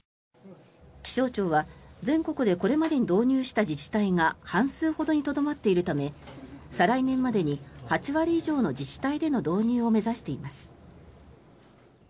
気象庁は、全国でこれまでに導入した自治体が半数ほどにとどまっているため再来年までに８割以上の自治体での導入を目指しています。